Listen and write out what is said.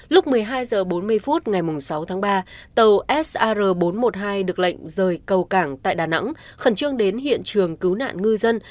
lúc một mươi hai h bốn mươi phút ngày sáu tháng ba tàu sar bốn trăm một mươi hai được lệnh rời cầu cảng tại đà nẵng khẩn trương đến hiện trường cứu nạn ngư dân